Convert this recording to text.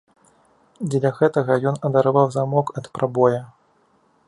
Дзеля гэтага ён адарваў замок ад прабоя.